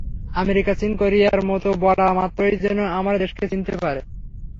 America, চীন, কোরিয়ার মতো বলা মাত্রই যেন আমার দেশকে চিনতে পারে।